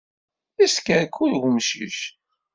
Yeskerkur umcic.